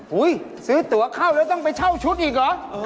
ซื้อตัวเข้าแล้วต้องไปเช่าชุดอีกเหรอ